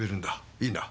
いいな？